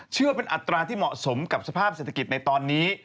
เชื่อเป็นอัตราที่เหมาะสมกับสภาพเศรษฐกิจในตอนนี้